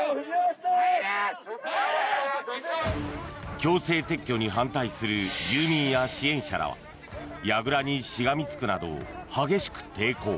強制撤去に反対する住民や支援者がやぐらにしがみつくなど激しく抵抗。